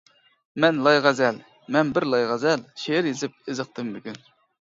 مەن لايغەزەل، مەن بىر لايغەزەل، شېئىر يېزىپ ئېزىقتىم بۈگۈن.